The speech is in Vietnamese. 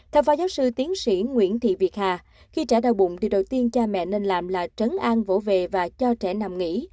theo phó giáo sư tiến sĩ nguyễn thị việt hà khi trẻ đau bụng thì đầu tiên cha mẹ nên làm là trấn an vỗ về và cho trẻ nằm nghỉ